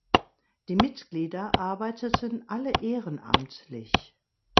Die Mitglieder arbeiteten alle ehrenamtlich.